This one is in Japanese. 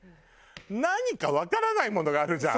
何かわからないものがあるじゃん